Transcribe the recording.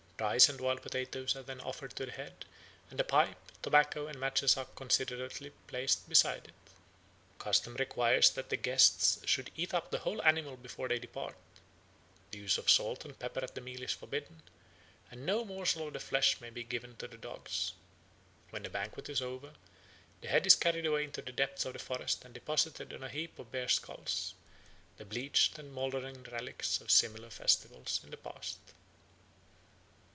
Rice and wild potatoes are then offered to the head, and a pipe, tobacco, and matches are considerately placed beside it. Custom requires that the guests should eat up the whole animal before they depart; the use of salt and pepper at the meal is forbidden; and no morsel of the flesh may be given to the dogs. When the banquet is over, the head is carried away into the depth of the forest and deposited on a heap of bears' skulls, the bleached and mouldering relics of similar festivals in the past.